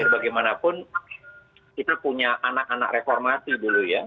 bagaimanapun kita punya anak anak reformasi dulu ya